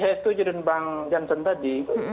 saya tujuan bang jansen tadi